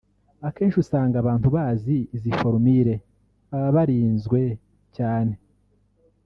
Akenshi usanga abantu bazi izi forumire baba barinzwe cyane